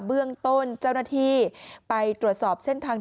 เบื้องต้นเจ้าหน้าที่ไปตรวจสอบเส้นทาง